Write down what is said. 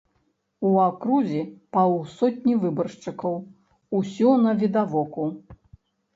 У акрузе паўсотні выбаршчыкаў, усё навідавоку!